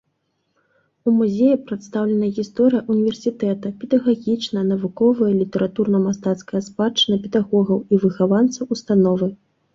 У музеі прадстаўлена гісторыя ўніверсітэта, педагагічная, навуковая і літаратурна-мастацкая спадчына педагогаў і выхаванцаў установы.